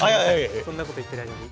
そんなこと言ってる間に。